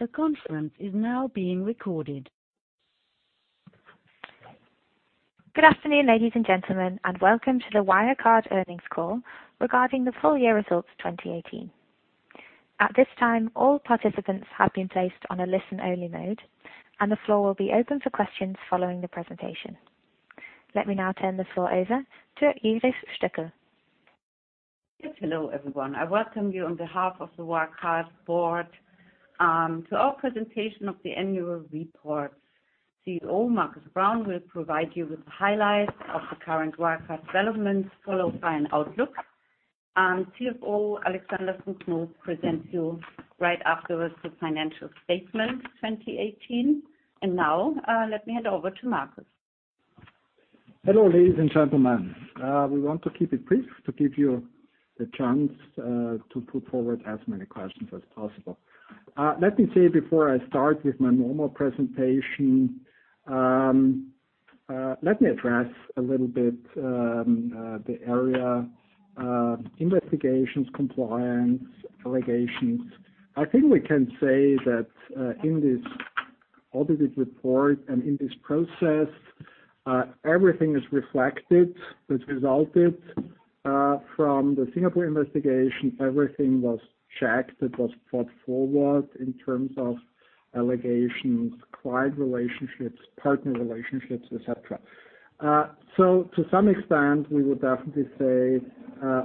Good afternoon, ladies and gentlemen, welcome to the Wirecard earnings call regarding the full year results of 2018. At this time, all participants have been placed on a listen-only mode, the floor will be open for questions following the presentation. Let me now turn the floor over to Iris Stöckl. Yes. Hello, everyone. I welcome you on behalf of the Wirecard board to our presentation of the annual report. CEO Markus Braun will provide you with the highlights of the current Wirecard developments, followed by an outlook. CFO Alexander von Knoop presents you right afterwards the financial statement 2018. Now, let me hand over to Markus. Hello, ladies and gentlemen. We want to keep it brief to give you the chance to put forward as many questions as possible. Let me say before I start with my normal presentation, let me address a little bit the area, investigations, compliance, allegations. I think we can say that in this audited report and in this process, everything is reflected that resulted from the Singapore investigation. Everything was checked, it was brought forward in terms of allegations, client relationships, partner relationships, et cetera. To some extent, we would definitely say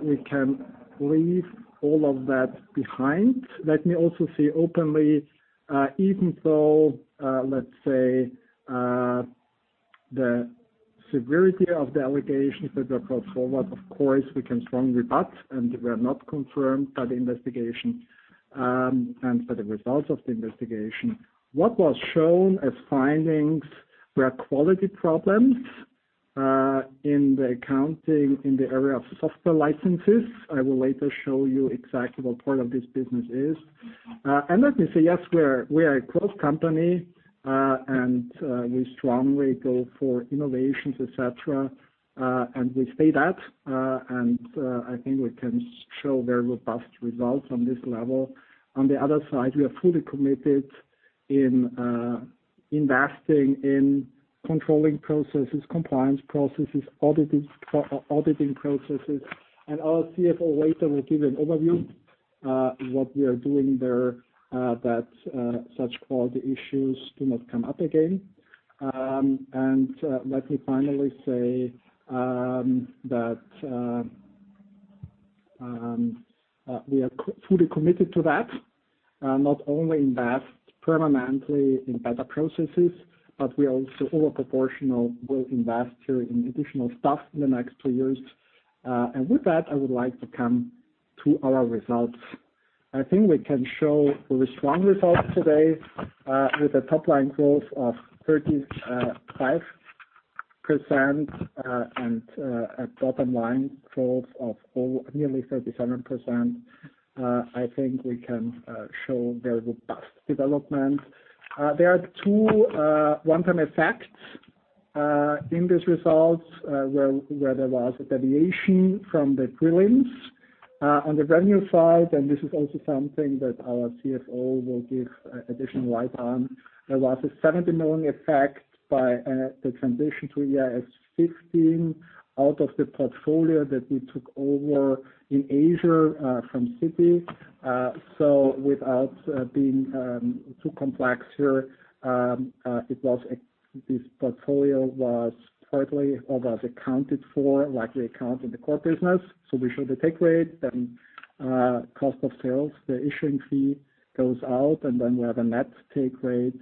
we can leave all of that behind. Let me also say openly even though, let's say, the severity of the allegations that were brought forward, of course, we can strongly rebut and they were not confirmed by the investigation, and by the results of the investigation. What was shown as findings were quality problems, in the accounting, in the area of software licenses. I will later show you exactly what part of this business is. Let me say yes, we are a growth company, and we strongly go for innovations, et cetera. We stay that, and I think we can show very robust results on this level. On the other side, we are fully committed in investing in controlling processes, compliance processes, auditing processes, and our CFO later will give an overview, what we are doing there, that such quality issues do not come up again. Let me finally say that we are fully committed to that, not only invest permanently in better processes, but we also over-proportional will invest here in additional stuff in the next two years. With that, I would like to come to our results. I think we can show very strong results today, with a top line growth of 35%, and a bottom line growth of nearly 37%. I think we can show very robust development. There are two one-time effects, in these results, where there was a deviation from the prelims. On the revenue side, this is also something that our CFO will give additional light on. There was a 70 million effect by the transition to IFRS 15 out of the portfolio that we took over in Asia, from Citi. Without being too complex here, this portfolio was partly over accounted for, like we account in the core business. We show the take rate, then cost of sales. The issuing fee goes out, and then we have a net take rate,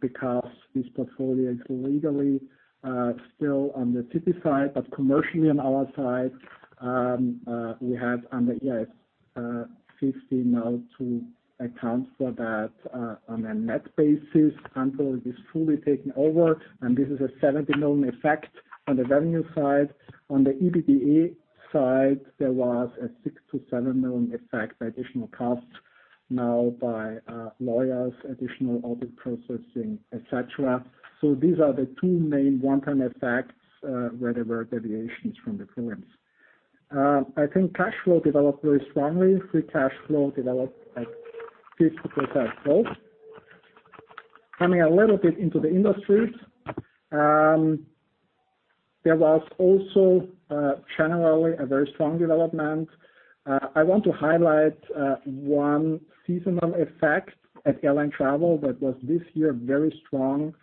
because this portfolio is legally still on the Citi side, but commercially on our side. We have under IFRS 15 now to account for that on a net basis until it is fully taken over, and this is a 70 million effect on the revenue side. On the EBITDA side, there was a six million to seven million effect by additional costs now by lawyers, additional audit processing, et cetera. These are the two main one-time effects, where there were deviations from the prelims. I think cash flow developed very strongly. Free cash flow developed at 50% growth. Coming a little bit into the industries. There was also generally a very strong development. I want to highlight one seasonal effect at airline travel that was this year very strong.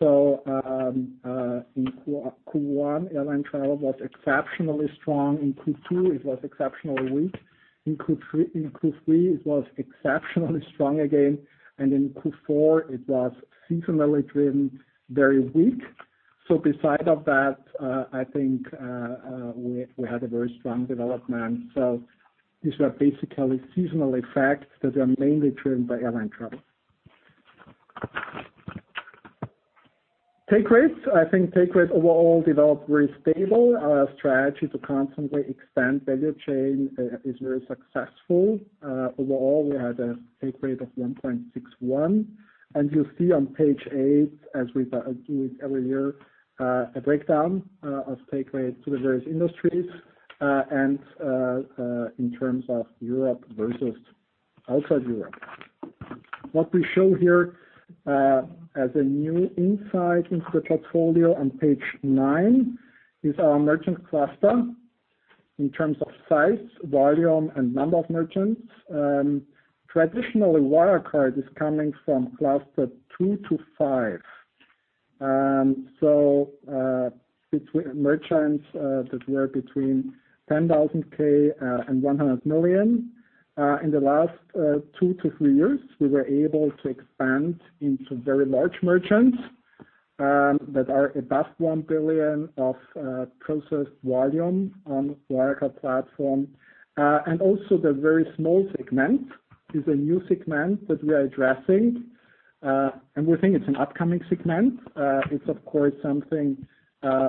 In Q1, airline travel was exceptionally strong. In Q2, it was exceptionally weak. In Q3, it was exceptionally strong again, and in Q4, it was seasonally driven, very weak. Beside of that, I think, we had a very strong development. These were basically seasonal effects that are mainly driven by airline travel. Take rates. I think take rates overall developed very stable. Our strategy to constantly expand value chain is very successful. Overall, we had a take rate of 1.61, and you see on page eight, as we do it every year, a breakdown of take rate to the various industries, and in terms of Europe versus outside Europe. What we show here as a new insight into the portfolio on page nine is our merchant cluster in terms of size, volume, and number of merchants. Traditionally, Wirecard is coming from cluster 2 to 5, so between merchants that were between 10K and 100 million. In the last two to three years, we were able to expand into very large merchants that are above 1 billion of processed volume on Wirecard platform. Also the very small segment is a new segment that we are addressing, and we think it's an upcoming segment. It's, of course, something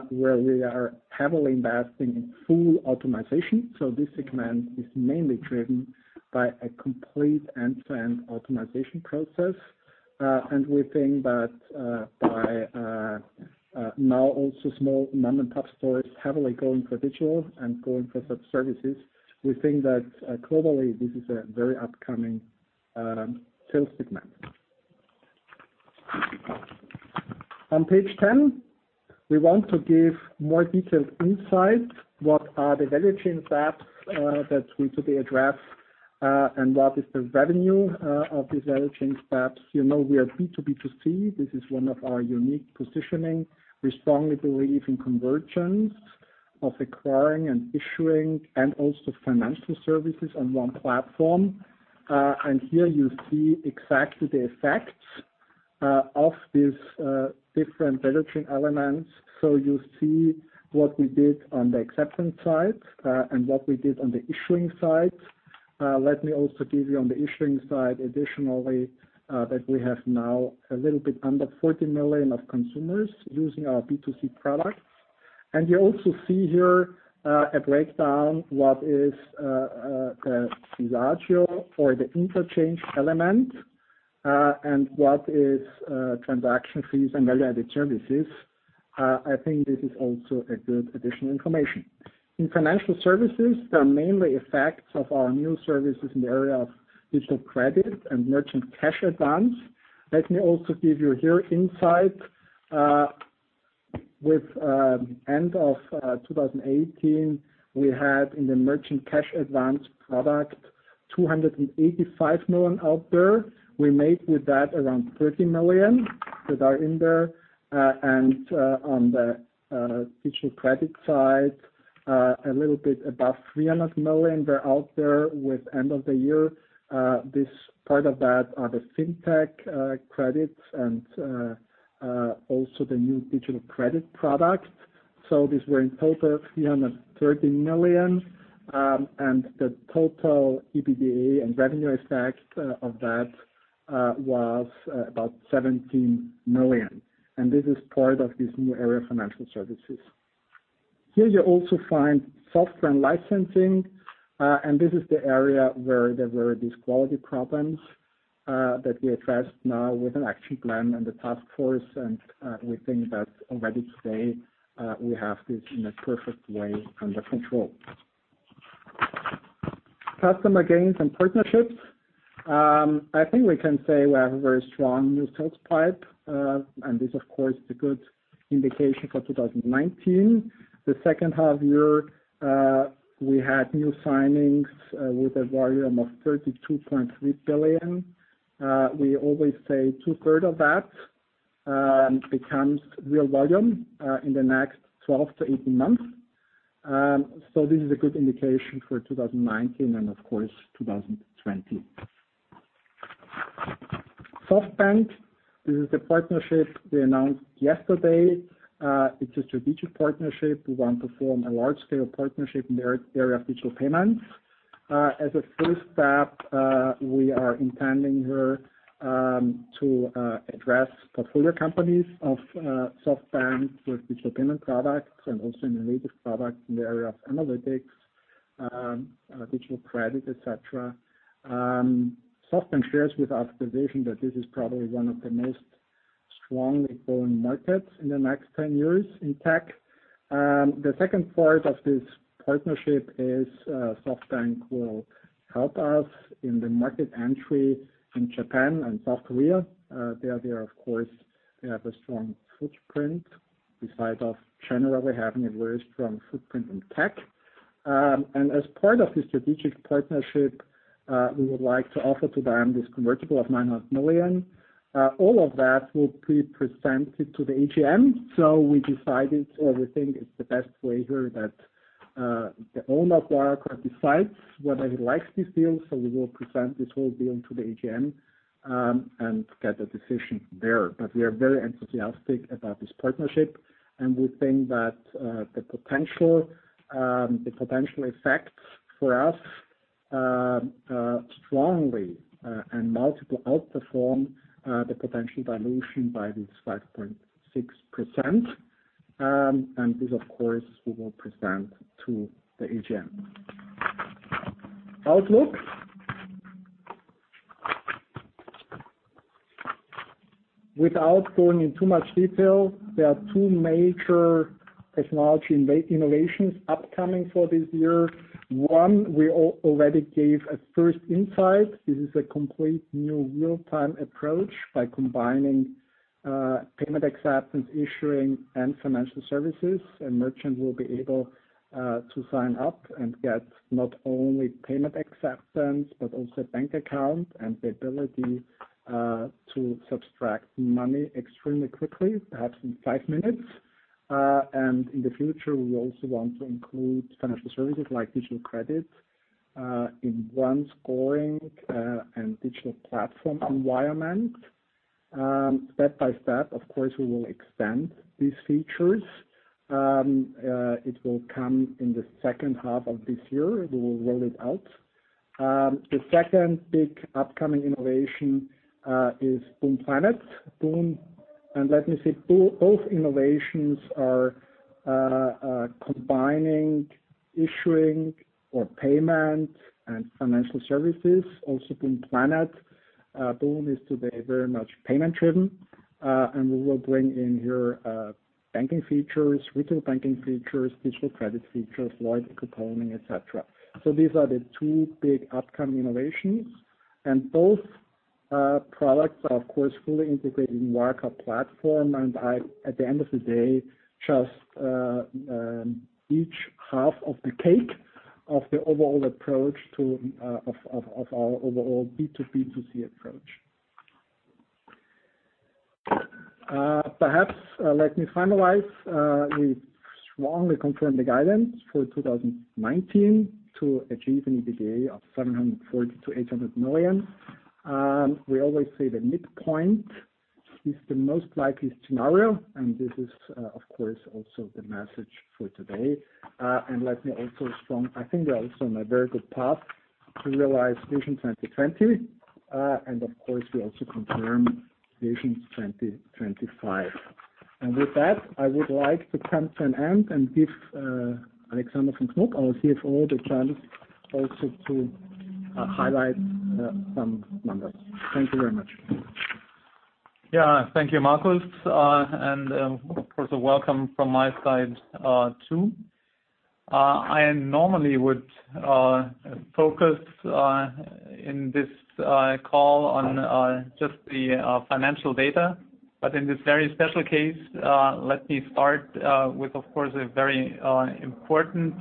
where we are heavily investing in full optimization. This segment is mainly driven by a complete end-to-end optimization process. We think that by now also small mom-and-pop stores heavily going for digital and going for sub-services, we think that globally, this is a very upcoming sales segment. On page 10, we want to give more detailed insight. What are the value chain gaps that we today address, and what is the revenue of these value chain gaps? We are B2B2C. This is one of our unique positioning. We strongly believe in convergence of acquiring and issuing and also financial services on one platform. Here you see exactly the effects of these different value chain elements. You see what we did on the acceptance side, and what we did on the issuing side. Let me also give you on the issuing side, additionally, that we have now a little bit under 40 million of consumers using our B2C products. You also see here a breakdown, what is the ratio for the interchange element, and what is transaction fees and value-added services. I think this is also a good additional information. In financial services, the mainly effects of our new services in the area of digital credit and merchant cash advance. Let me also give you here insight. With end of 2018, we had in the merchant cash advance product 285 million out there. We made with that around 30 million that are in there. On the digital credit side, a little bit above 300 million were out there with end of the year. This part of that are the fintech credits and also the new digital credit products. These were in total 330 million, and the total EBITDA and revenue effect of that was about 17 million, and this is part of this new area of financial services. Here you also find software and licensing, and this is the area where there were these quality problems, that we address now with an action plan and a task force. We think that already today, we have this in a perfect way under control. Customer gains and partnerships. I think we can say we have a very strong new sales pipe, and this, of course, is a good indication for 2019. The second half year, we had new signings with a volume of 32.3 billion. We always say two-third of that becomes real volume, in the next 12 to 18 months. This is a good indication for 2019 and of course, 2020. SoftBank. This is the partnership we announced yesterday. It's a strategic partnership. We want to form a large-scale partnership in the area of digital payments. As a first step, we are intending here to address portfolio companies of SoftBank with digital payment products and also innovative products in the area of analytics, digital credit, et cetera. SoftBank shares with us the vision that this is probably one of the most strongly growing markets in the next 10 years in tech. The second part of this partnership is, SoftBank will help us in the market entry in Japan and South Korea. There they are, of course, they have a strong footprint, beside of China, where we have a very strong footprint in tech. As part of the strategic partnership, we would like to offer to them this convertible of 900 million. All of that will be presented to the AGM. We decided, or we think it's the best way here that, the owner of Wirecard decides whether he likes this deal. We will present this whole deal to the AGM, and get a decision there. We are very enthusiastic about this partnership, and we think that the potential effects for us strongly and multiple outperform the potential dilution by this 5.6%. This, of course, we will present to the AGM. Outlook. Without going in too much detail, there are two major technology innovations upcoming for this year. One, we already gave a first insight. This is a complete new real-time approach by combining payment acceptance, issuing, and financial services. Merchant will be able to sign up and get not only payment acceptance, but also a bank account and the ability to subtract money extremely quickly, perhaps in five minutes. In the future, we also want to include financial services like digital credit in one scoring and digital platform environment. Step by step, of course, we will extend these features. It will come in the second half of this year. We will roll it out. The second big upcoming innovation is boon Planet. Let me say, both innovations are combining issuing or payment and financial services, also boon Planet. boon is today very much payment-driven. We will bring in here banking features, retail banking features, digital credit features, loyalty, couponing, et cetera. These are the two big upcoming innovations, and both products are, of course, fully integrated in Wirecard platform. At the end of the day, just each half of the cake of the overall approach of our overall B2B2C approach. Perhaps, let me finalize. We strongly confirm the guidance for 2019 to achieve an EBITDA of 740 million to 800 million. We always say the midpoint is the most likely scenario, and this is, of course, also the message for today. I think we are also on a very good path to realize Vision 2020. Of course, we also confirm Vision 2025. With that, I would like to come to an end and give Alexander von Knoop, our CFO, the chance also to highlight some numbers. Thank you very much. Thank you, Markus. Of course, welcome from my side, too. I normally would focus in this call on just the financial data. In this very special case, let me start with, of course, a very important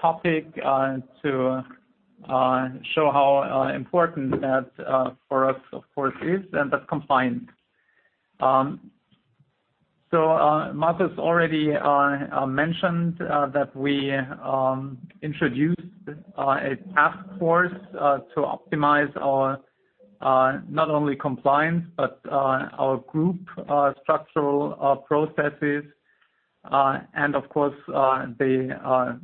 topic to show how important that for us, of course is, and that's compliance. Markus already mentioned that we introduced a task force to optimize our, not only compliance, but our group structural processes. Of course, the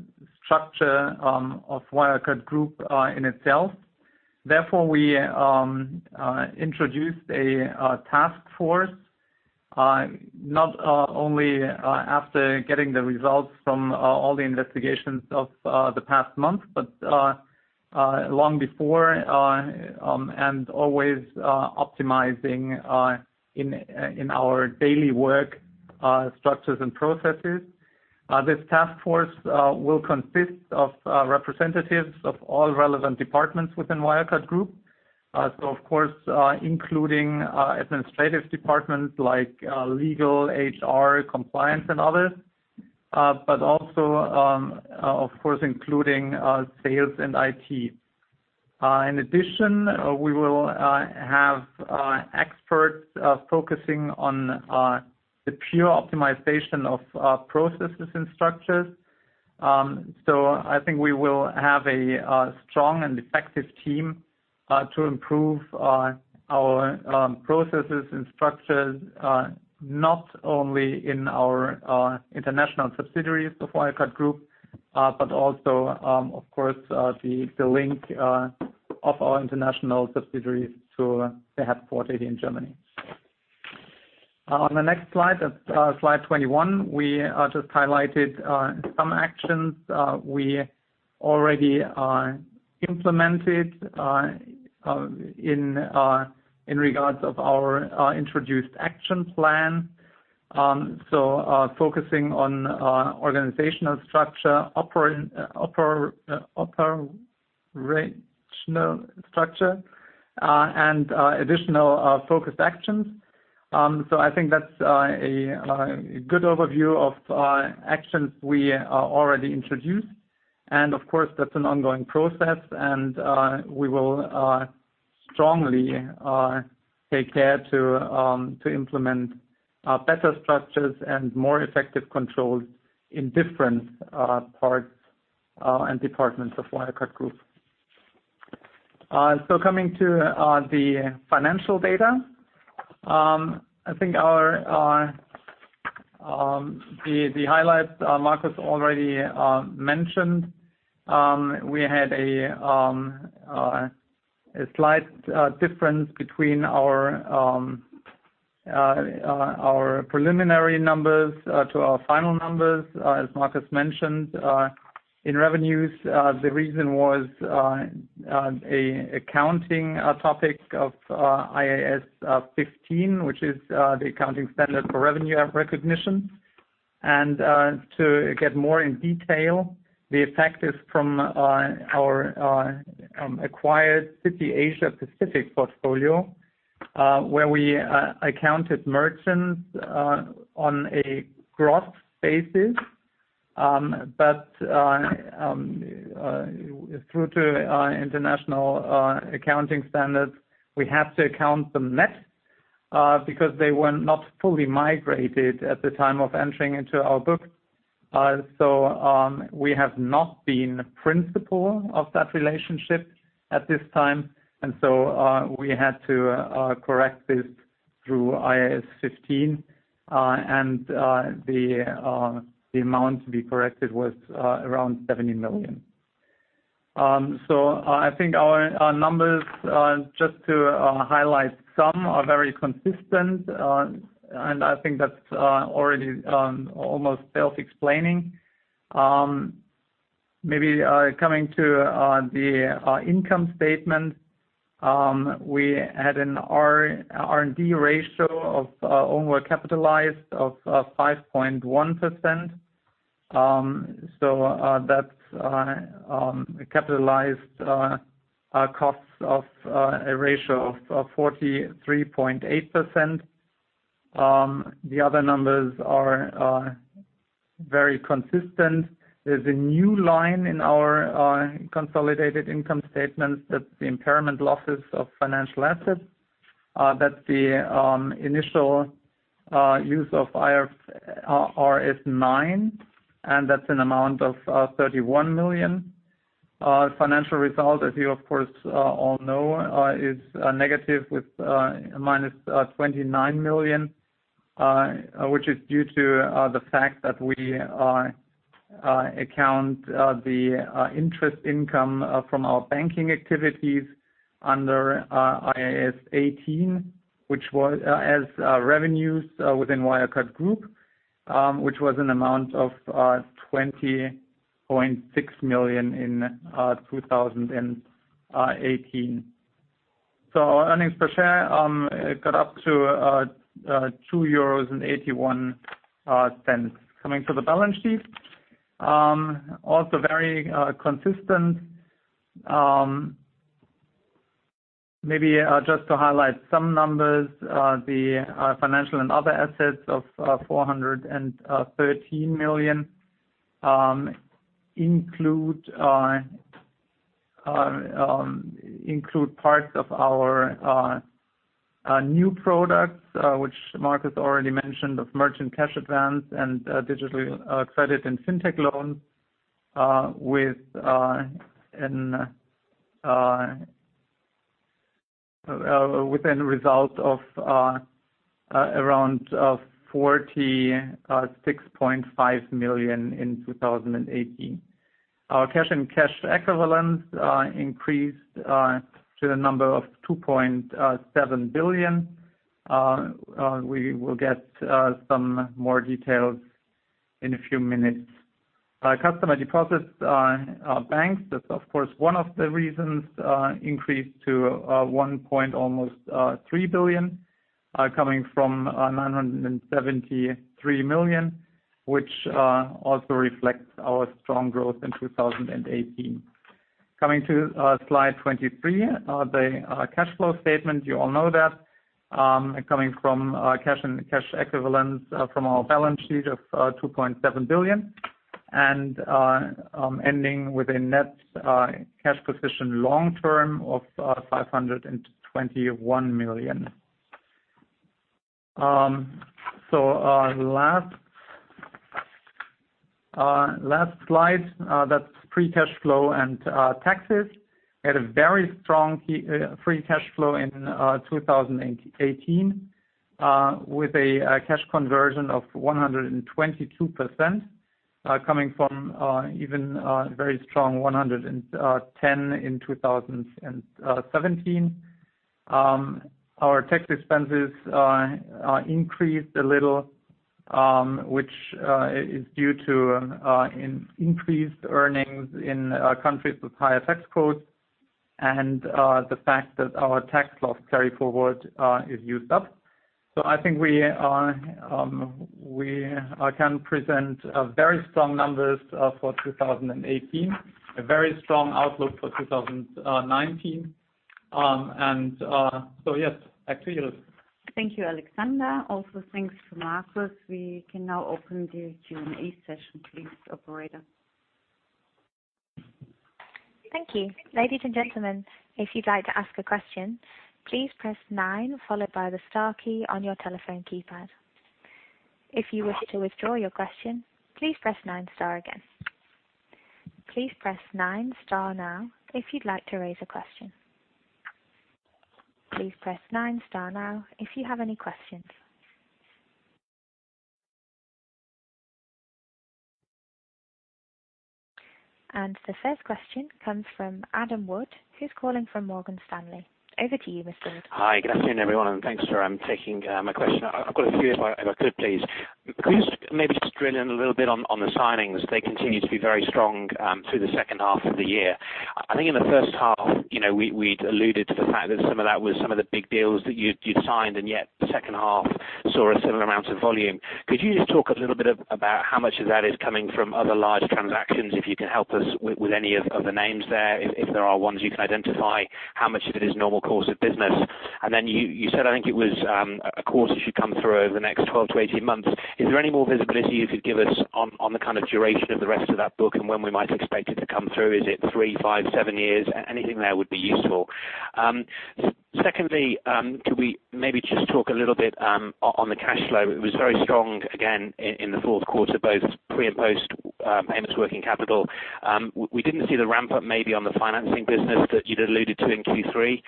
structure of Wirecard Group in itself. Therefore, we introduced a task force, not only after getting the results from all the investigations of the past month, but long before and always optimizing in our daily work structures and processes. This task force will consist of representatives of all relevant departments within Wirecard Group. Of course, including administrative departments like legal, HR, compliance, and others. Also, of course, including sales and IT. In addition, we will have experts focusing on the pure optimization of processes and structures. I think we will have a strong and effective team to improve our processes and structures, not only in our international subsidiaries of Wirecard Group but also, of course, the link of our international subsidiaries to the headquarter here in Germany. On the next slide 21, we just highlighted some actions we already implemented in regards of our introduced action plan. Focusing on organizational structure, operational structure, and additional focused actions. I think that's a good overview of actions we already introduced. Of course, that's an ongoing process, and we will strongly take care to implement better structures and more effective controls in different parts and departments of Wirecard Group. Coming to the financial data. I think the highlights Markus already mentioned. We had a slight difference between our preliminary numbers to our final numbers, as Markus mentioned. In revenues, the reason was an accounting topic of IFRS 15, which is the accounting standard for revenue recognition. To get more in detail, the effect is from our acquired Citi Asia Pacific portfolio, where we accounted merchants on a gross basis. Through international accounting standards, we have to account them net, because they were not fully migrated at the time of entering into our book. We have not been principal of that relationship at this time. So we had to correct this through IFRS 15. The amount to be corrected was around 70 million. I think our numbers, just to highlight some, are very consistent. I think that's already almost self-explaining. Maybe coming to the income statement. We had an R&D ratio of onward capitalized of 5.1%. That's capitalized costs of a ratio of 43.8%. The other numbers are very consistent. There's a new line in our consolidated income statement that the impairment losses of financial assets. That's the initial use of IFRS 9, and that's an amount of 31 million. Financial result, as you of course all know, is negative with minus 29 million, which is due to the fact that we account the interest income from our banking activities under IAS 18, as revenues within Wirecard Group, which was an amount of 20.6 million in 2018. Earnings per share got up to €2.81. Coming to the balance sheet. Also very consistent. Maybe just to highlight some numbers, the financial and other assets of 413 million include parts of our new products, which Markus already mentioned, of merchant cash advance and digital credit and fintech loans, with a result of around 46.5 million in 2018. Our cash and cash equivalents increased to the number of 2.7 billion. We will get some more details in a few minutes. Customer deposits banks, that's of course one of the reasons increased to one point almost 3 billion, coming from 973 million, which also reflects our strong growth in 2018. Coming to slide 23, the cash flow statement. You all know that. Coming from cash and cash equivalents from our balance sheet of 2.7 billion, and ending with a net cash position long-term of 521 million. Last slide, that's free cash flow and taxes. We had a very strong free cash flow in 2018, with a cash conversion of 122%, coming from even a very strong 110% in 2017. Our tax expenses increased a little, which is due to increased earnings in countries with higher tax codes, and the fact that our tax loss carry-forward is used up. I think we can present very strong numbers for 2018, a very strong outlook for 2019. Yes, back to you. Thank you, Alexander. Also, thanks to Markus. We can now open the Q&A session, please, operator. Thank you. Ladies and gentlemen, if you'd like to ask a question, please press nine followed by the star key on your telephone keypad. If you wish to withdraw your question, please press nine star again. Please press nine star now if you'd like to raise a question. Please press nine star now if you have any questions. The first question comes from Adam Wood, who's calling from Morgan Stanley. Over to you, Mr. Wood. Hi. Good afternoon, everyone, and thanks for taking my question. I've got a few if I could, please. Could you maybe just drill in a little bit on the signings? They continue to be very strong through the second half of the year. I think in the first half, we'd alluded to the fact that some of that was some of the big deals that you'd signed, and yet the second half saw a similar amount of volume. Could you just talk a little bit about how much of that is coming from other large transactions, if you can help us with any of the names there, if there are ones you can identify, how much of it is normal course of business? Then you said, I think it was, a course that should come through over the next 12 to 18 months. Is there any more visibility you could give us on the kind of duration of the rest of that book and when we might expect it to come through? Is it three, five, seven years? Anything there would be useful. Secondly, could we maybe just talk a little bit on the cash flow? It was very strong, again, in the fourth quarter, both pre- and post-payments working capital. We didn't see the ramp-up maybe on the financing business that you'd alluded to in Q3.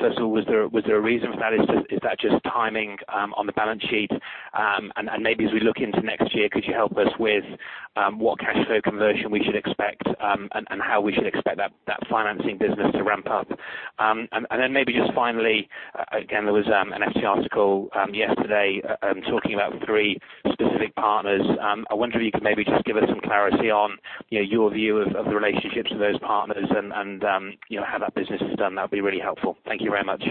First of all, was there a reason for that? Is that just timing on the balance sheet? And maybe as we look into next year, could you help us with what cash flow conversion we should expect, and how we should expect that financing business to ramp up? And then maybe just finally, again, there was an FT article yesterday, talking about three specific partners. I wonder if you could maybe just give us some clarity on your view of the relationships with those partners and how that business is done. That'd be really helpful. Thank you very much.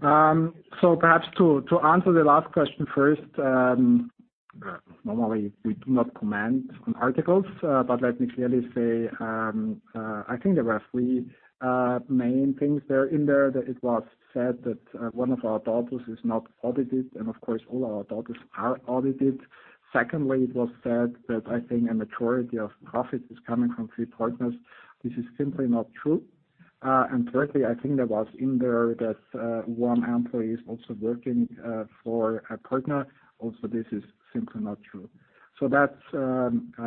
Perhaps to answer the last question first, normally we do not comment on articles but let me clearly say, I think there were three main things in there, that it was said that one of our daughters is not audited, and of course, all our daughters are audited. Secondly, it was said that I think a majority of profit is coming from three partners. This is simply not true. Thirdly, I think there was in there that one employee is also working for a partner. Also, this is simply not true. That's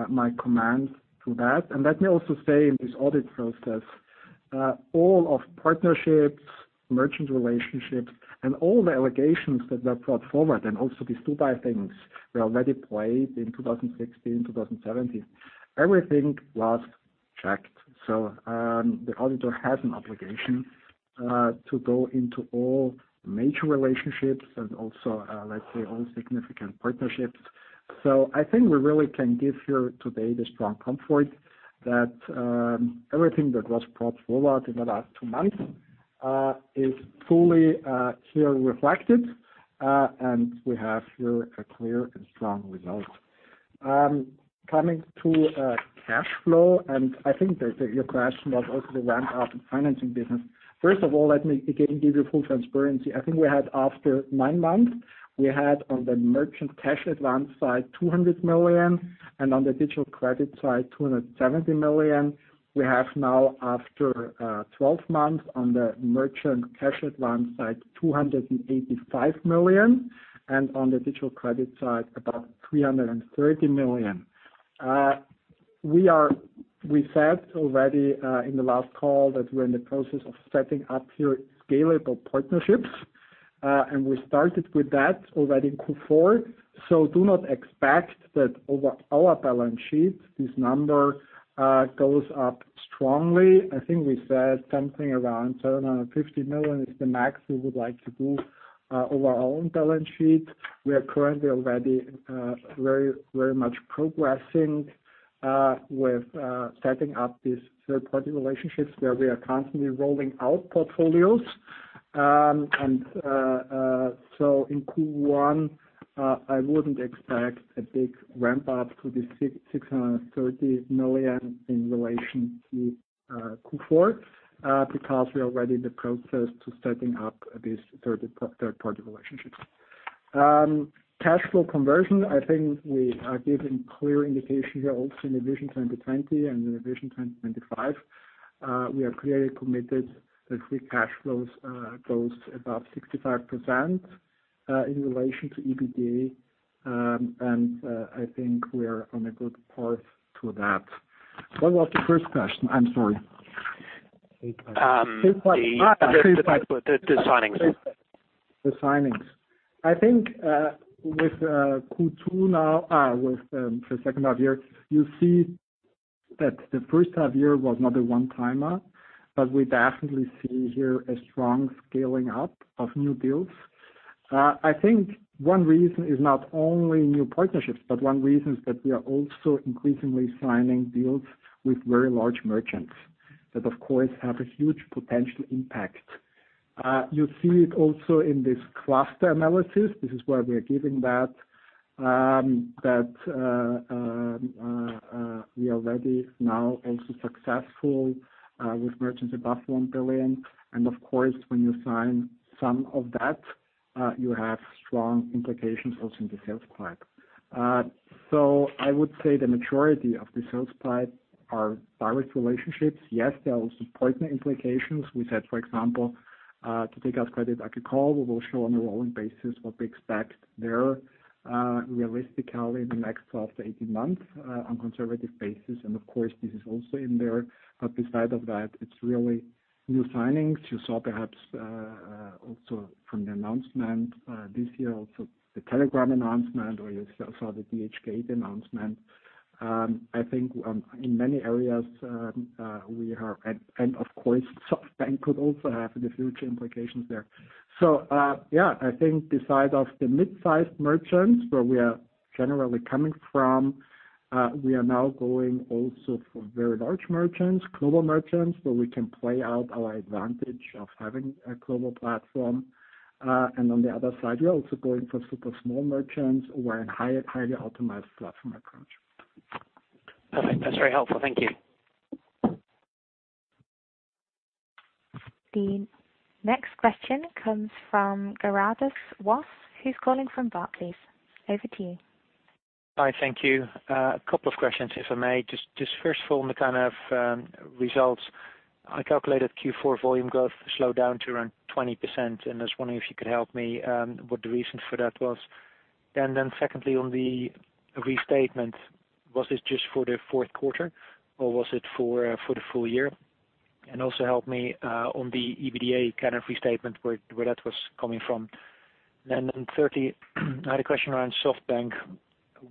my comment to that. And let me also say in this audit process, all of partnerships, merchant relationships, and all the allegations that were brought forward and also these two bad things were already played in 2016, 2017. Everything was checked. The auditor has an obligation to go into all major relationships and also, let's say, all significant partnerships. I think we really can give here today the strong comfort that everything that was brought forward in the last two months is fully here reflected, and we have here a clear and strong result. Coming to cash flow, and I think that your question was also the ramp-up in financing business. First of all, let me again give you full transparency. I think we had, after nine months, we had on the merchant cash advance side, 200 million, and on the digital credit side, 270 million. We have now, after 12 months on the merchant cash advance side, 285 million, and on the digital credit side, about 330 million. We said already in the last call that we're in the process of setting up here scalable partnerships and we started with that already in Q4. Do not expect that over our balance sheet, this number goes up strongly. I think we said something around 750 million is the max we would like to do over our own balance sheet. We are currently already very much progressing with setting up these third-party relationships where we are constantly rolling out portfolios. In Q1, I wouldn't expect a big ramp-up to the 630 million in relation to Q4 because we are already in the process to setting up these third-party relationships. Cash flow conversion, I think we are giving clear indication here also in the Vision 2020 and in the Vision 2025. We are clearly committed that free cash flows goes above 65% in relation to EBITDA. I think we're on a good path to that. What was the first question? I'm sorry. The signings. The signings. I think with the second half year, you see that the first half year was not a one-timer, but we definitely see here a strong scaling up of new deals. I think one reason is not only new partnerships, but one reason is that we are also increasingly signing deals with very large merchants, that, of course, have a huge potential impact. You see it also in this cluster analysis. This is why we are giving that we are ready now also successful with merchants above 1 billion. Of course, when you sign some of that. You have strong implications also in the sales pipe. I would say the majority of the sales pipe are direct relationships. Yes, there are also partner implications. We said, for example to take out Crédit Agricole, we will show on a rolling basis what we expect there realistically in the next 12-18 months, on conservative basis. Of course, this is also in there. Besides that, it's really new signings. You saw perhaps also from the announcement this year, also the Telegram announcement, or you saw the DHgate announcement. I think in many areas, of course, SoftBank could also have the future implications there. Yeah, I think the side of the mid-sized merchants where we are generally coming from, we are now going also for very large merchants, global merchants, where we can play out our advantage of having a global platform. On the other side, we are also going for super small merchants where a highly optimized platform approach. Perfect. That's very helpful. Thank you. The next question comes from Gerardus Vos, who's calling from Barclays. Over to you. Hi, thank you. A couple of questions, if I may. First of all, on the kind of results. I calculated Q4 volume growth slowed down to around 20%, I was wondering if you could help me, what the reason for that was. Then secondly, on the restatement, was this just for the fourth quarter or was it for the full year? Also help me on the EBITDA kind of restatement, where that was coming from. Then thirdly, I had a question around SoftBank.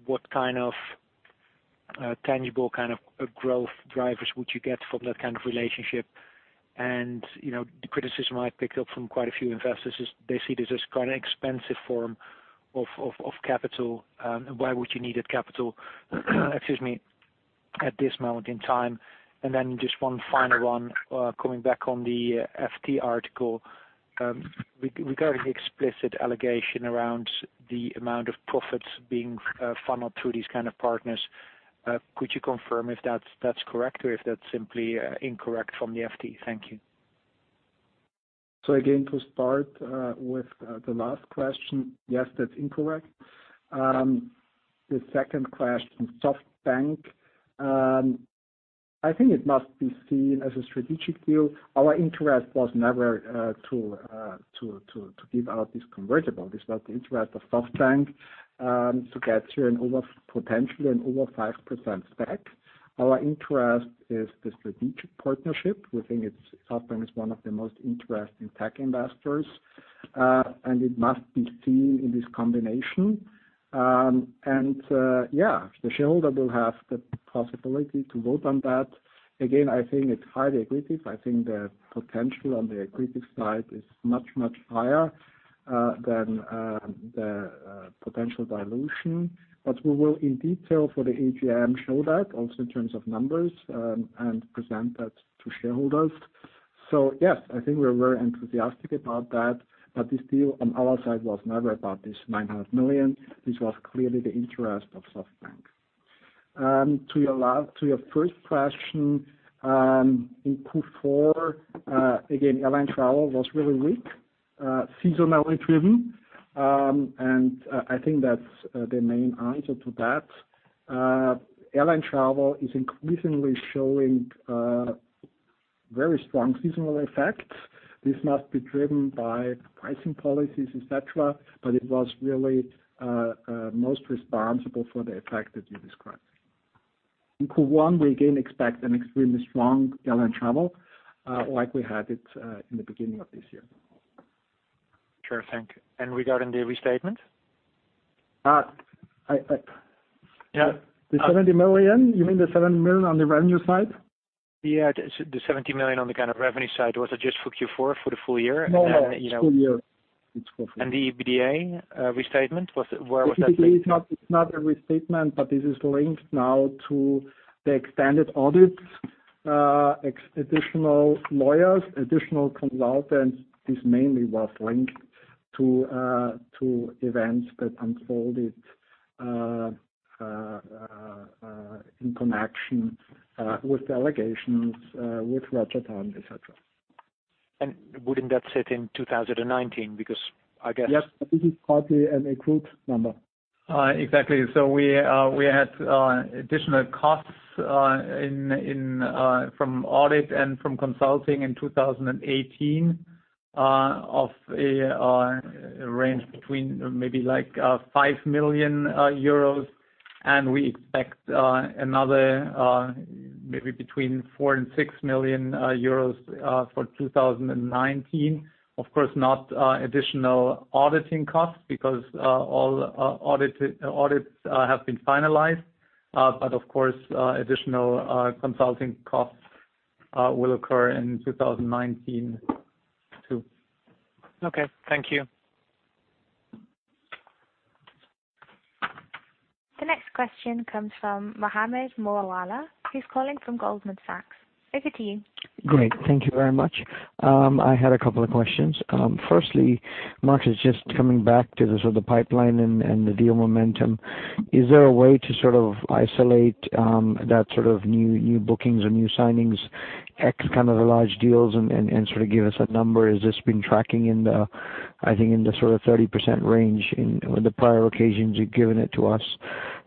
What kind of tangible growth drivers would you get from that kind of relationship? The criticism I picked up from quite a few investors is they see this as quite an expensive form of capital. Why would you need a capital, excuse me, at this moment in time? Then just one final one, coming back on the FT article. Regarding the explicit allegation around the amount of profits being funneled through these kind of partners, could you confirm if that's correct or if that's simply incorrect from the FT? Thank you. Again, to start with the last question. Yes, that's incorrect. The second question, SoftBank. I think it must be seen as a strategic deal. Our interest was never to give out this convertible. It's about the interest of SoftBank, to get to potentially an over 5% stake. Our interest is the strategic partnership. We think SoftBank is one of the most interesting tech investors, and it must be seen in this combination. The shareholder will have the possibility to vote on that. Again, I think it's highly accretive. I think the potential on the accretive side is much, much higher than the potential dilution. We will in detail for the AGM show that also in terms of numbers, and present that to shareholders. Yes, I think we're very enthusiastic about that, but this deal on our side was never about this 900 million. This was clearly the interest of SoftBank. To your first question, in Q4, again, airline travel was really weak, seasonally driven. I think that's the main answer to that. Airline travel is increasingly showing very strong seasonal effects. This must be driven by pricing policies, et cetera, but it was really most responsible for the effect that you described. In Q1, we again expect an extremely strong airline travel, like we had it in the beginning of this year. Sure. Thank you. Regarding the restatement? The 70 million? You mean the 70 million on the revenue side? Yeah. The 70 million on the kind of revenue side. Was it just for Q4, for the full year? No, it's full year. It's full year. The EBITDA restatement, where was that linked? It's not a restatement, this is linked now to the extended audits, additional lawyers, additional consultants, this mainly was linked to events that unfolded in connection with the allegations, with Rajah & Tann and etc. Wouldn't that sit in 2019? Yes, this is partly an accrued number. Exactly. We had additional costs from audit and from consulting in 2018, of a range between maybe like 5 million euros, and we expect another maybe between 4 million and 6 million euros for 2019. Of course, not additional auditing costs, because all audits have been finalized. Of course, additional consulting costs will occur in 2019, too. Okay. Thank you. The next question comes from Mohammed Moawalla, who's calling from Goldman Sachs. Over to you. Great. Thank you very much. I had a couple of questions. Firstly, Markus, just coming back to the sort of pipeline and the deal momentum. Is there a way to sort of isolate that sort of new bookings or new signings kind of the large deals and give us a number. Has this been tracking, I think, in the 30% range in the prior occasions you've given it to us?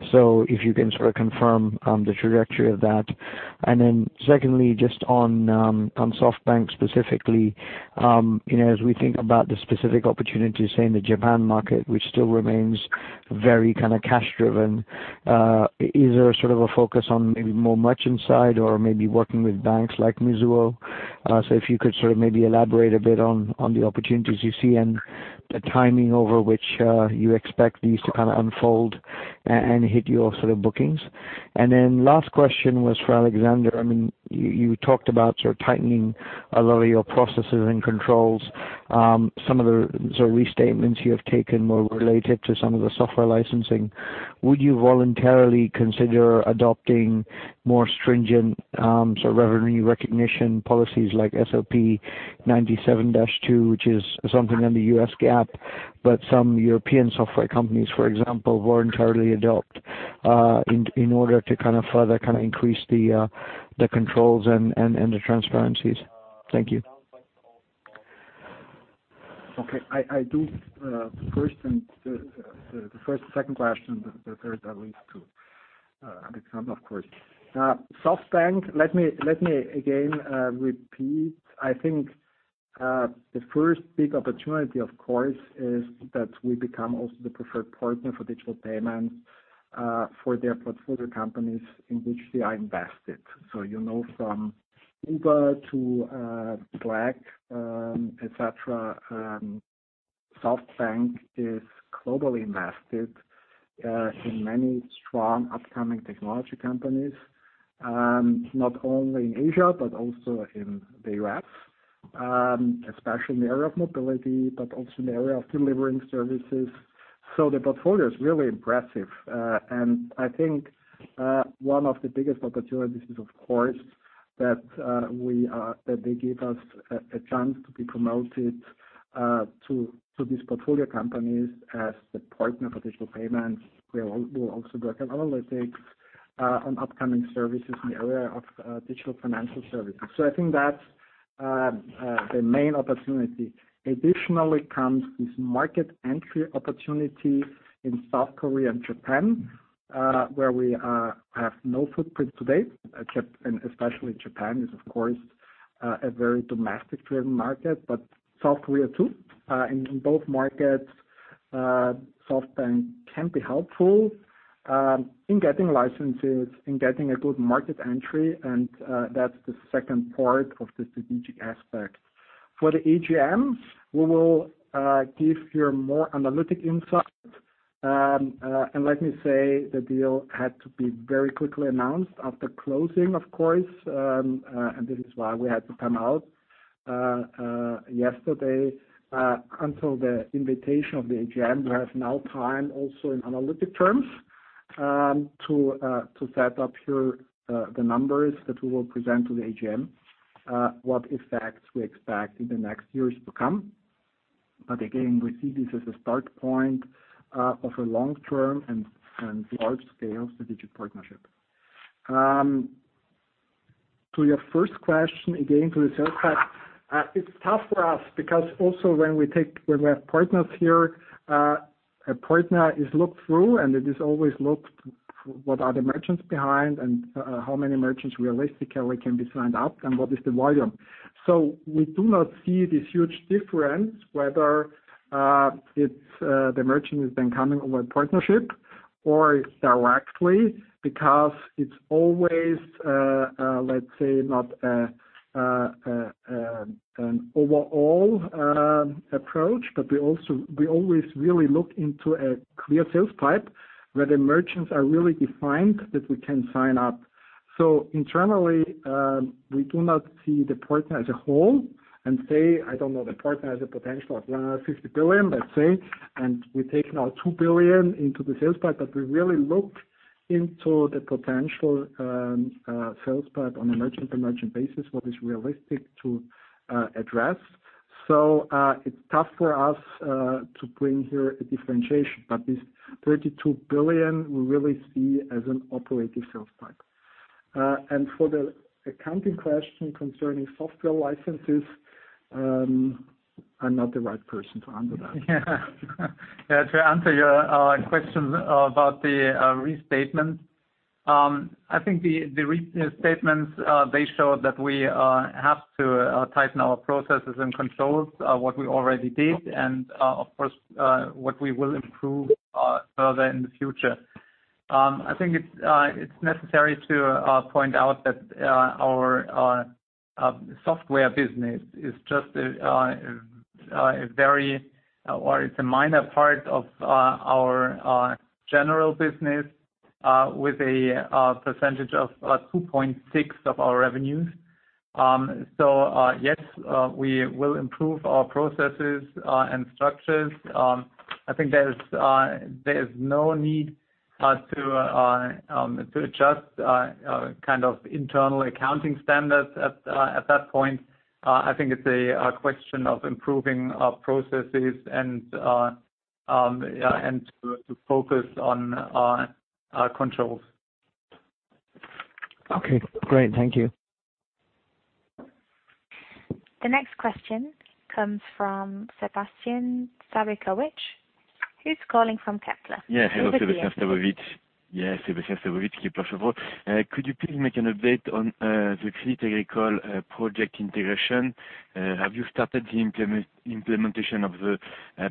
If you can confirm the trajectory of that. Secondly, just on SoftBank specifically, as we think about the specific opportunities, say, in the Japan market, which still remains very cash-driven, is there a focus on maybe more merchant side or maybe working with banks like Mizuho? If you could maybe elaborate a bit on the opportunities you see and the timing over which you expect these to unfold and hit your bookings. Last question was for Alexander. You talked about tightening a lot of your processes and controls. Some of the restatements you have taken were related to some of the software licensing. Would you voluntarily consider adopting more stringent revenue recognition policies like SOP 97-2, which is something under US GAAP, but some European software companies, for example, voluntarily adopt in order to further increase the controls and the transparencies. Thank you. Okay. I do the first and second question, the third I leave to Alexander, of course. SoftBank, let me again repeat, I think the first big opportunity, of course, is that we become also the preferred partner for digital payments for their portfolio companies in which they are invested. You know from Uber to Slack, et cetera, SoftBank is globally invested in many strong upcoming technology companies, not only in Asia but also in the U.S., especially in the area of mobility, but also in the area of delivering services. The portfolio is really impressive. I think one of the biggest opportunities is, of course, that they give us a chance to be promoted to these portfolio companies as the partner for digital payments. We'll also work on analytics, on upcoming services in the area of digital financial services. I think that's the main opportunity. Additionally comes this market entry opportunity in South Korea and Japan, where we have no footprint today, except especially Japan is, of course, a very domestic-driven market, but South Korea too. In both markets, SoftBank can be helpful in getting licenses, in getting a good market entry, and that's the second part of the strategic aspect. For the AGM, we will give here more analytic insight. Let me say the deal had to be very quickly announced after closing, of course, and this is why we had to come out yesterday until the invitation of the AGM. We have now time also in analytic terms to set up here the numbers that we will present to the AGM, what effects we expect in the next years to come. Again, we see this as a start point of a long-term and large-scale strategic partnership. To your first question, again, to the sales rep, it's tough for us because also when we have partners here, a partner is looked through and it is always looked what are the merchants behind and how many merchants realistically can be signed up and what is the volume. We do not see this huge difference whether the merchant has been coming over a partnership or directly because it's always, let's say, not an overall approach, but we always really look into a clear sales pipe where the merchants are really defined that we can sign up. Internally, we do not see the partner as a whole and say, I don't know, the partner has a potential of 50 billion, let's say, and we take now 2 billion into the sales pipe, but we really look into the potential sales pipe on a merchant-to-merchant basis, what is realistic to address. It's tough for us to bring here a differentiation, but this 32 billion we really see as an operative sales pipe. For the accounting question concerning software licenses, I'm not the right person to handle that. To answer your question about the restatements, I think the restatements, they show that we have to tighten our processes and controls, what we already did, and of course, what we will improve further in the future. I think it's necessary to point out that our software business is just a minor part of our general business with a percentage of 2.6% of our revenues. Yes, we will improve our processes and structures. I think there is no need to adjust internal accounting standards at that point. I think it's a question of improving our processes and to focus on our controls. Okay, great. Thank you. The next question comes from Sébastien Sztabowicz, who's calling from Kepler. Hello, Sébastien Sztabowicz. Could you please make an update on the Crédit Agricole project integration? Have you started the implementation of the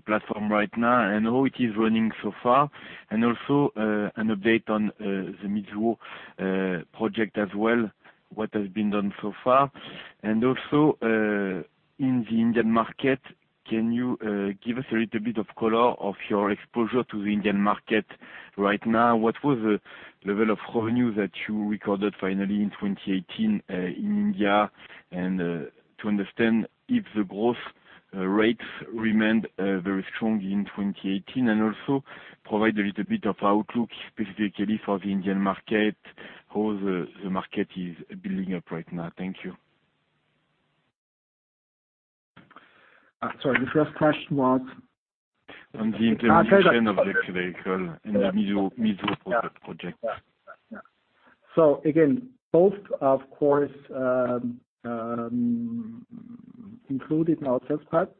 platform right now, and how it is running so far? Also, an update on the Mizuho project as well, what has been done so far? Also, in the Indian market, can you give us a little bit of color of your exposure to the Indian market right now? What was the level of revenue that you recorded finally in 2018 in India, to understand if the growth rates remained very strong in 2018, also provide a little bit of outlook specifically for the Indian market, how the market is building up right now. Thank you. Sorry, the first question was? On the implementation- Okay of the Crédit Agricole and the Mizuho project. Again, both, of course, included in our sales part.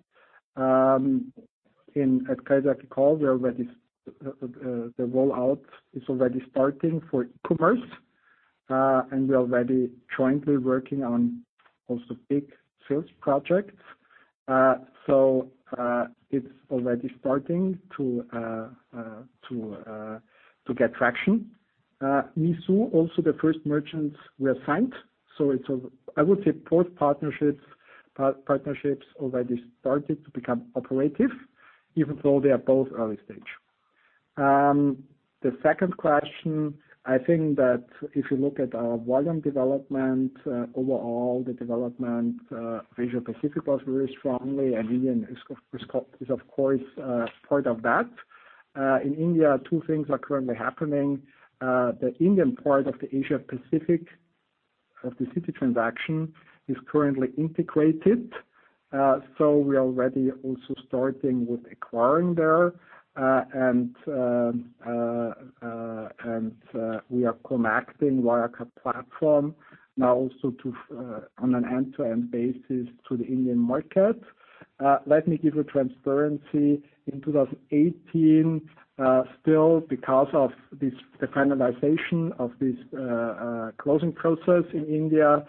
At Crédit Agricole, the rollout is already starting for e-commerce, and we're already jointly working on also big sales projects. It's already starting to get transaction. Mizuho, also the first merchants were signed. I would say both partnerships already started to become operative, even though they are both early-stage. The second question, I think that if you look at our volume development, overall the development of Asia Pacific was very strongly, and India is of course part of that. In India, two things are currently happening. The Indian part of the Asia Pacific of the Citi transaction is currently integrated. We're already also starting with acquiring there, and we are connecting Wirecard platform now also on an end-to-end basis to the Indian market. Let me give you transparency. In 2018, still because of the finalization of this closing process in India,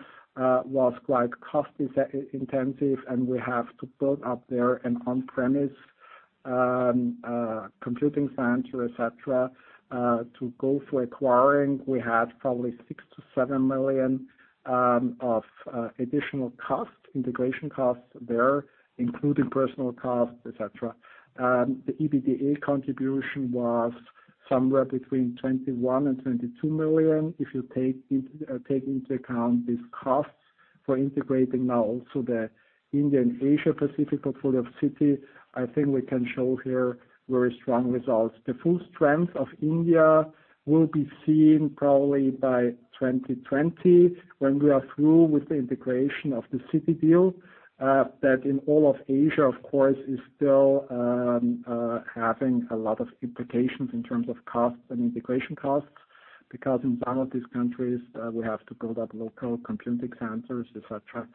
was quite costly intensive, and we have to build up there an on-premise computing center, et cetera, to go for acquiring. We had probably 6 million-7 million of additional costs, integration costs there, including personal costs, et cetera. The EBITDA contribution was somewhere between 21 million and 22 million, if you take into account these costs for integrating now also the Indian Asia Pacific portfolio of Citi. I think we can show here very strong results. The full strength of India will be seen probably by 2020, when we are through with the integration of the Citi deal, that in all of Asia, of course, is still having a lot of implications in terms of costs and integration costs, because in some of these countries, we have to build up local computing centers, et cetera.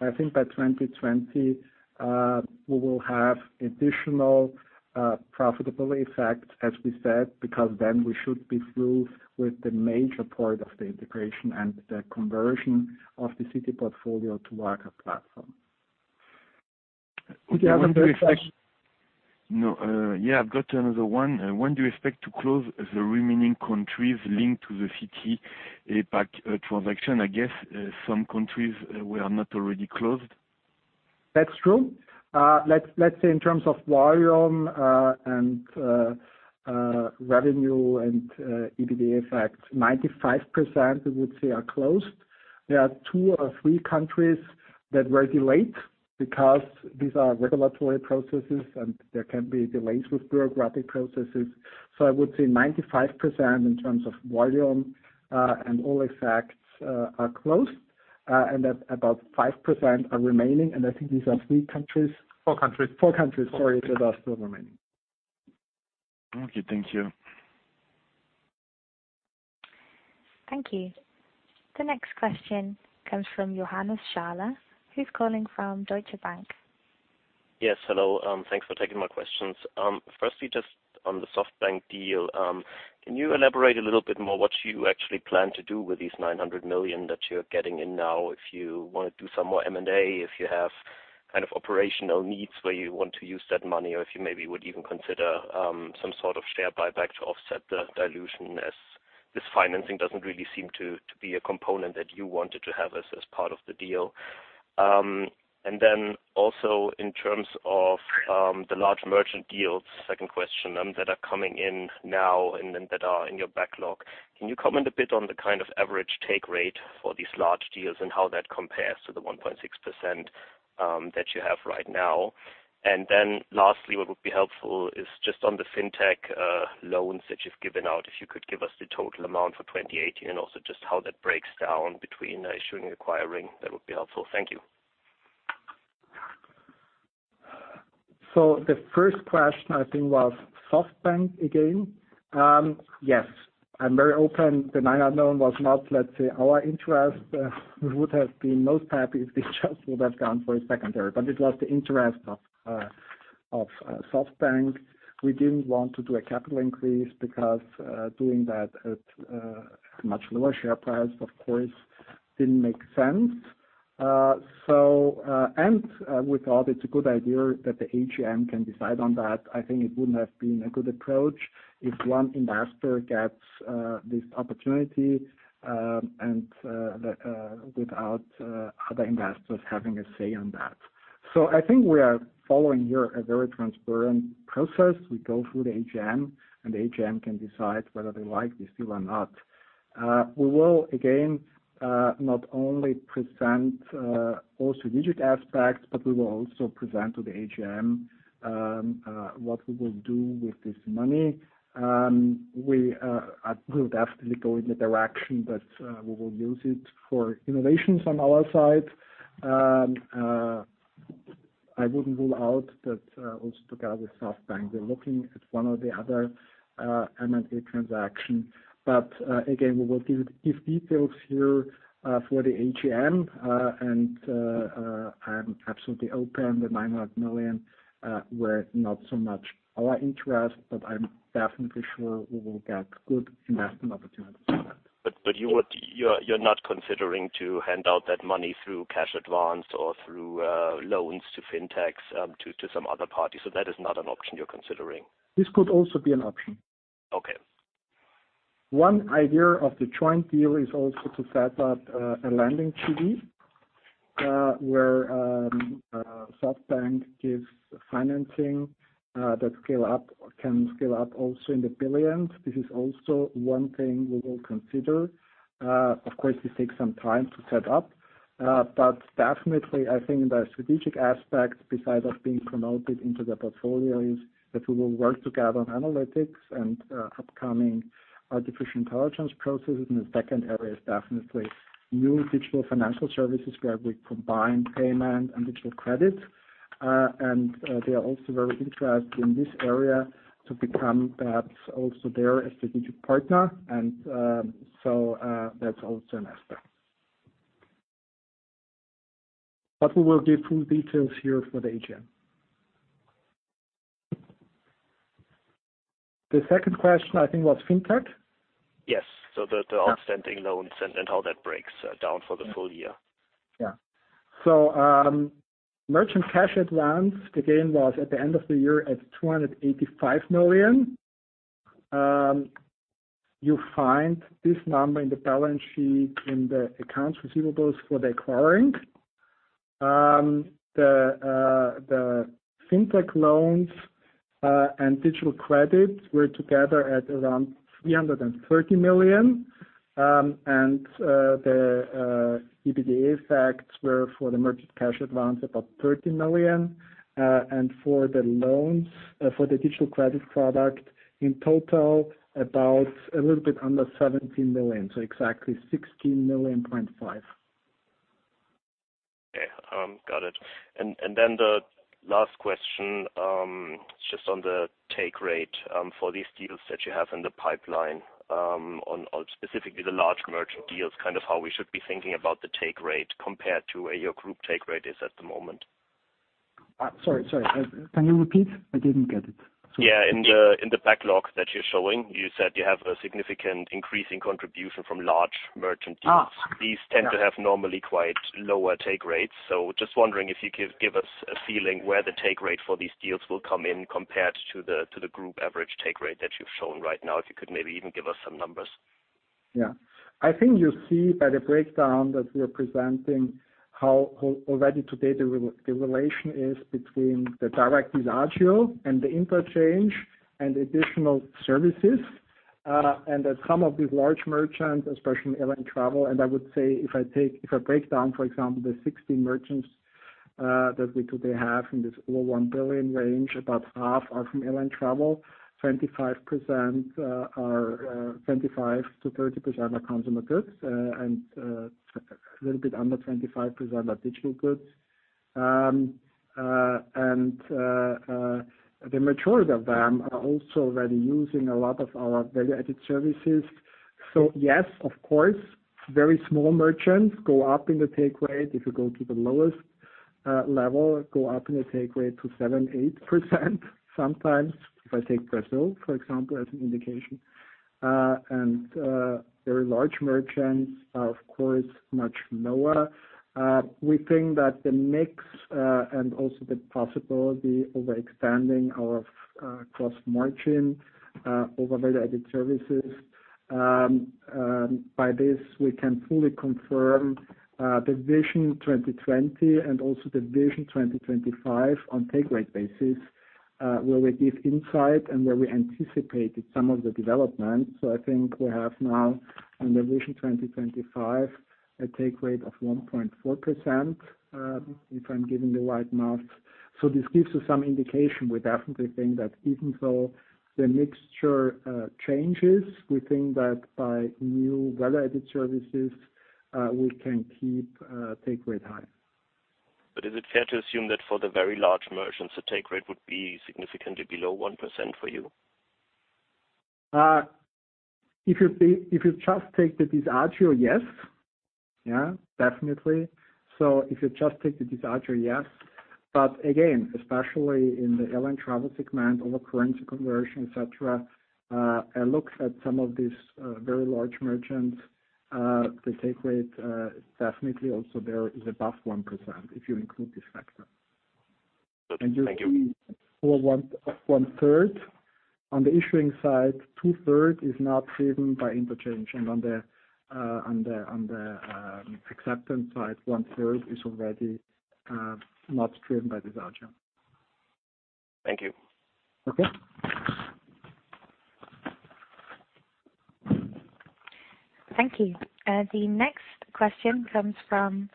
I think by 2020, we will have additional profitability effect, as we said, because then we should be through with the major part of the integration and the conversion of the Citi portfolio to Wirecard platform. I've got another one. When do you expect to close the remaining countries linked to the Citi APAC transaction? I guess some countries were not already closed. That's true. Let's say in terms of volume and revenue and EBITDA effect, 95%, I would say, are closed. There are two or three countries that were delayed because these are regulatory processes, and there can be delays with bureaucratic processes. I would say 95% in terms of volume and all effects are closed, and that about 5% are remaining, and I think these are three countries. Four countries. Four countries, sorry, that are still remaining. Okay, thank you. Thank you. The next question comes from Johannes Schaller, who is calling from Deutsche Bank. Yes, hello. Thanks for taking my questions. Firstly, just on the SoftBank deal, can you elaborate a little bit more what you actually plan to do with these 900 million that you are getting in now? If you want to do some more M&A, if you have kind of operational needs where you want to use that money, or if you maybe would even consider some sort of share buyback to offset the dilution, as this financing doesn't really seem to be a component that you wanted to have as part of the deal. Also, in terms of the large merchant deals, second question, that are coming in now and then that are in your backlog. Can you comment a bit on the kind of average take rate for these large deals and how that compares to the 1.6% that you have right now? Lastly, what would be helpful is just on the fintech loans that you have given out, if you could give us the total amount for 2018 and also just how that breaks down between issuing and acquiring, that would be helpful. Thank you. The first question, I think, was SoftBank again. Yes. I am very open. The 900 million was not our interest. We would have been most happy if they just would have gone for a secondary, but it was the interest of SoftBank. We didn't want to do a capital increase because doing that at a much lower share price, of course, didn't make sense. We thought it is a good idea that the AGM can decide on that. I think it wouldn't have been a good approach if one investor gets this opportunity and without other investors having a say on that. I think we are following here a very transparent process. We go through the AGM, and the AGM can decide whether they like this deal or not. We will, again, not only present all strategic aspects, but we will also present to the AGM what we will do with this money. We'll definitely go in the direction that we will use it for innovations on our side. I wouldn't rule out that also together with SoftBank, we're looking at one or the other M&A transaction. Again, we will give details here for the AGM, and I'm absolutely open. The 900 million were not so much our interest, but I'm definitely sure we will get good investment opportunities for that. You're not considering to hand out that money through cash advance or through loans to FinTechs, to some other party. That is not an option you're considering. This could also be an option. Okay. One idea of the joint deal is also to set up a lending JV, where SoftBank gives financing that can scale up also in the billions. This is also one thing we will consider. Of course, this takes some time to set up. Definitely, I think the strategic aspect besides us being promoted into their portfolios, that we will work together on analytics and upcoming artificial intelligence processes. The second area is definitely new digital financial services where we combine payment and digital credit. They are also very interested in this area to become perhaps also their strategic partner. That's also an aspect. We will give full details here for the AGM. The second question, I think, was FinTech? Yes. The outstanding loans and how that breaks down for the full year. Merchant cash advance, again, was at the end of the year at 285 million. You find this number in the balance sheet in the accounts receivables for the acquiring. The Fintech loans, and digital credits were together at around 330 million. The EBITDA effects were for the merchant cash advance about 30 million. For the loans, for the digital credit product, in total, about a little bit under 17 million, so exactly 16.5 million. The last question, just on the take rate for these deals that you have in the pipeline, on specifically the large merchant deals, how we should be thinking about the take rate compared to where your group take rate is at the moment. Sorry. Can you repeat? I didn't get it. Yeah. In the backlog that you're showing, you said you have a significant increase in contribution from large merchant deals. Just wondering if you could give us a feeling where the take rate for these deals will come in compared to the group average take rate that you've shown right now, if you could maybe even give us some numbers. Yeah. I think you see by the breakdown that we're presenting how already today the relation is between the discount ratio and the interchange and additional services. That some of these large merchants, especially in airline travel, and I would say if I break down, for example, the 60 merchants that we today have in this over one billion range, about half are from airline travel, 25%-30% are consumer goods, and a little bit under 25% are digital goods. The majority of them are also already using a lot of our value-added services. Yes, of course, very small merchants go up in the take rate. If you go to the lowest level, go up in the take rate to 7%, 8%, sometimes. If I take Brazil, for example, as an indication. Very large merchants are, of course, much lower. We think that the mix, and also the possibility of expanding our cross-margin over value-added services, by this, we can fully confirm the Vision 2020 and also the Vision 2025 on take rate basis, where we give insight and where we anticipated some of the development. I think we have now in the Vision 2025, a take rate of 1.4%, if I'm giving the right math. This gives you some indication. We definitely think that even though the mixture changes, we think that by new value-added services We can keep take rate high. Is it fair to assume that for the very large merchants, the take rate would be significantly below 1% for you? If you just take the discount, yes. Again, especially in the airline travel segment, over currency conversion, et cetera, I look at some of these very large merchants, the take rate is definitely also there is above 1%, if you include this factor. Thank you. For one third. On the issuing side, two-third is not driven by interchange. On the acceptance side, one third is already not driven by discount. Thank you. Okay. Thank you. The next question comes from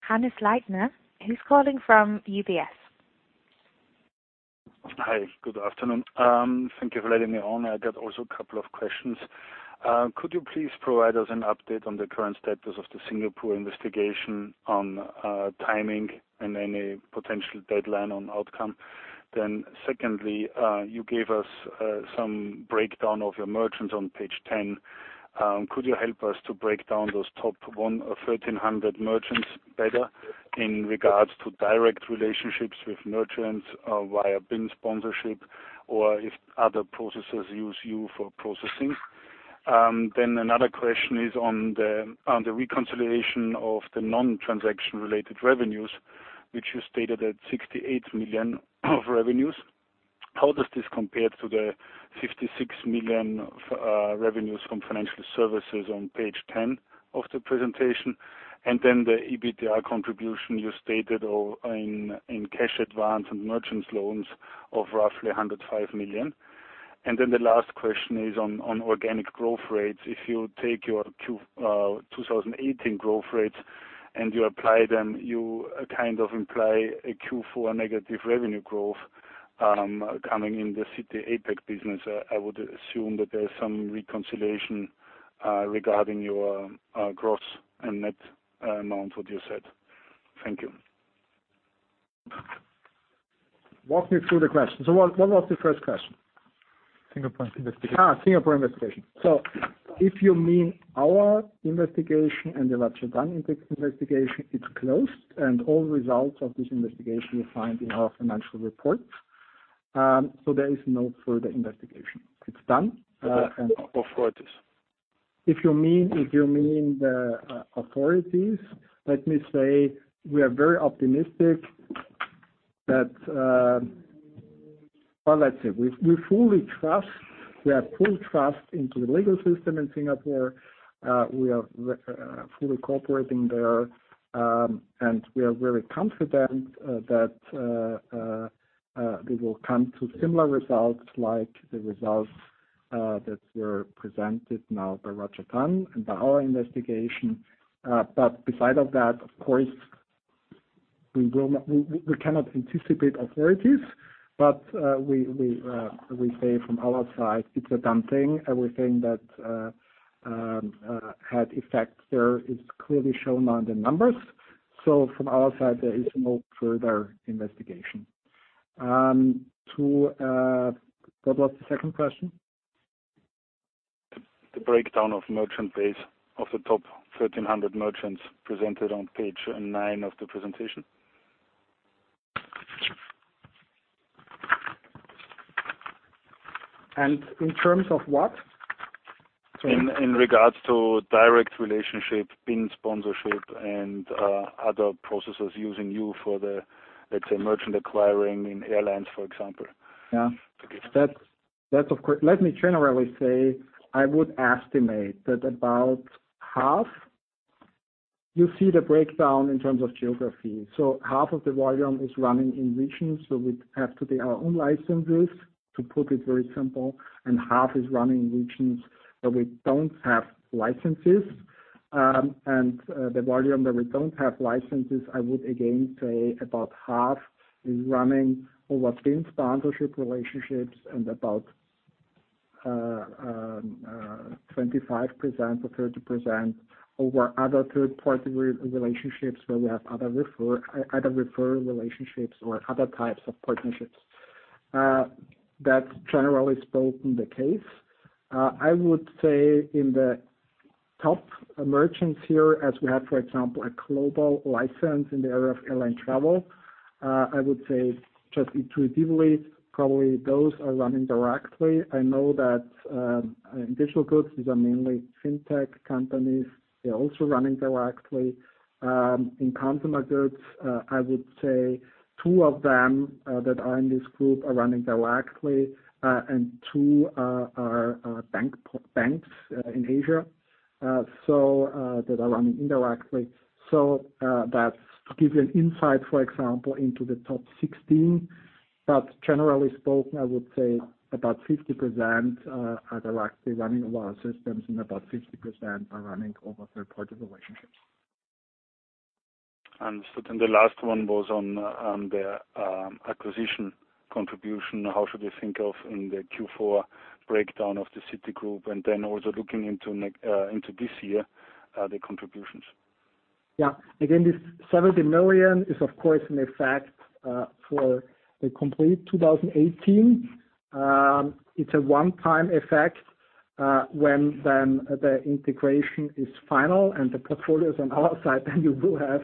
Hannes Leitner, who is calling from UBS. Hi, good afternoon. Thank you for letting me on. I got also a couple of questions. Could you please provide us an update on the current status of the Singapore investigation on timing and any potential deadline on outcome? Secondly, you gave us some breakdown of your merchants on page 10. Could you help us to break down those top 1,300 merchants better in regards to direct relationships with merchants via BIN sponsorship or if other processors use you for processing? Another question is on the reconciliation of the non-transaction related revenues, which you stated at 68 million of revenues. How does this compare to the 56 million revenues from financial services on page 10 of the presentation? The EBITDA contribution you stated in cash advance and merchants loans of roughly 105 million. The last question is on organic growth rates. If you take your 2018 growth rates and you apply them, you kind of imply a Q4 negative revenue growth, coming in the Citi APAC business. I would assume that there is some reconciliation regarding your gross and net amount what you said. Thank you. Walk me through the question. What was the first question? Singapore investigation. Singapore investigation. If you mean our investigation and the Rajah & Tann investigation, it's closed, and all results of this investigation you find in our financial reports. There is no further investigation. It's done. Authorities. If you mean the authorities, let me say we are very optimistic that, let's say, we have full trust into the legal system in Singapore. We are fully cooperating there, and we are very confident that, they will come to similar results, like the results that were presented now by Rajah & Tann and by our investigation. Beside of that, of course, we cannot anticipate authorities, but, we say from our side, it's a done thing. Everything that had effect there is clearly shown on the numbers. From our side, there is no further investigation. What was the second question? The breakdown of merchant base of the top 1,300 merchants presented on page nine of the presentation` In terms of what? Sorry. In regards to direct relationship, BIN sponsorship, and other processors using you for the, let's say, merchant acquiring in airlines, for example. Yeah. Let me generally say, I would estimate that about half, you see the breakdown in terms of geography. Half of the volume is running in regions, so we have today our own licenses, to put it very simple, and half is running in regions where we don't have licenses. The volume that we don't have licenses, I would again say about half is running over BIN sponsorship relationships and about 25% or 30% over other third-party relationships where we have other referral relationships or other types of partnerships. That's generally spoken the case. I would say in the top merchants here, as we have, for example, a global license in the area of airline travel, I would say just intuitively, probably those are running directly. I know that in digital goods, these are mainly fintech companies, they're also running directly. In consumer goods, I would say two of them that are in this group are running directly, and two are banks in Asia, that are running indirectly. That's to give you an insight, for example, into the top 16. Generally spoken, I would say about 50% are directly running over our systems and about 50% are running over third-party relationships. Understood. The last one was on the acquisition contribution. How should we think of in the Q4 breakdown of the Citigroup, and then also looking into this year, the contributions? Again, this 70 million is, of course, an effect for the complete 2018. It's a one-time effect when the integration is final and the portfolio is on our side, then we will have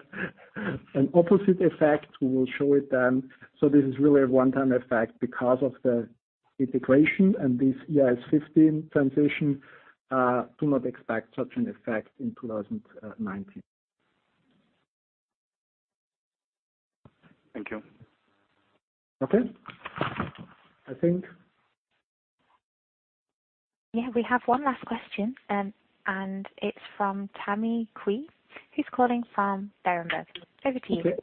an opposite effect. We will show it then. This is really a one-time effect because of the integration and this IFRS 15 transition. Do not expect such an effect in 2019. Thank you. Okay. I think Yeah, we have one last question, and it's from Tammy Qiu, who's calling from Berenberg. Over to you.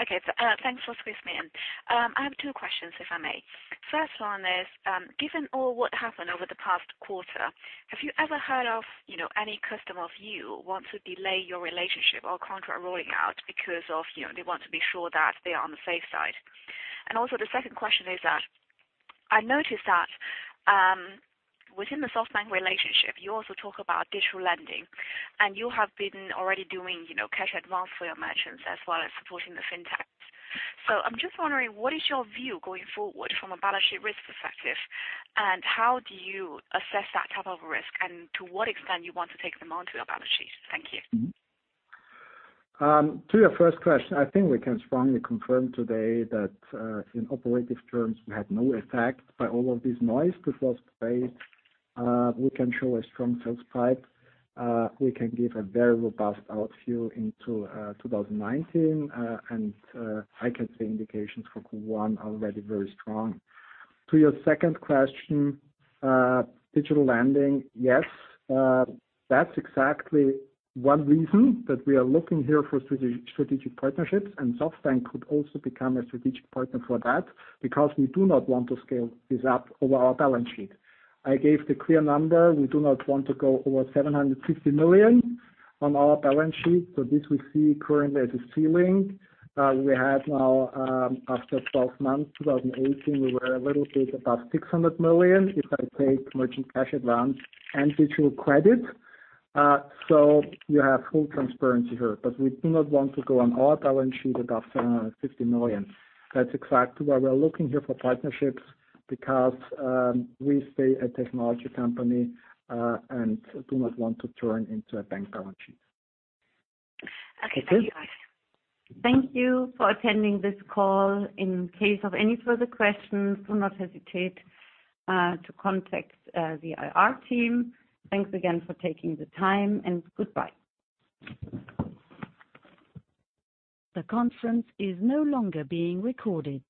Okay. Thanks for squeezing me in. I have two questions, if I may. First one is, given all what happened over the past quarter, have you ever heard of any customer of you want to delay your relationship or contract rolling out because they want to be sure that they are on the safe side? Also, the second question is that I noticed that within the SoftBank relationship, you also talk about digital lending, and you have been already doing cash advance for your merchants as well as supporting the fintechs. I'm just wondering, what is your view going forward from a balance sheet risk perspective, and how do you assess that type of risk and to what extent you want to take them onto your balance sheet? Thank you. To your first question, I think we can strongly confirm today that in operative terms, we had no effect by all of this noise because today, we can show a strong sales pipe. We can give a very robust outlook into 2019. I can see indications for Q1 already very strong. To your second question, digital lending, yes. That's exactly one reason that we are looking here for strategic partnerships, and SoftBank could also become a strategic partner for that, because we do not want to scale this up over our balance sheet. I gave the clear number. We do not want to go over 750 million on our balance sheet. This we see currently as a ceiling. We had now, after 12 months, 2018, we were a little bit above 600 million if I take merchant cash advance and digital credit. You have full transparency here, but we do not want to go on our balance sheet above 750 million. That's exactly why we're looking here for partnerships, because we stay a technology company, and do not want to turn into a bank balance sheet. Okay. Thank you. Okay. Thank you for attending this call. In case of any further questions, do not hesitate to contact the IR team. Thanks again for taking the time, and goodbye. The conference is no longer being recorded.